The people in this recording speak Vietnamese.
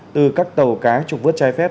từ các tàu cá trục vớt trái phép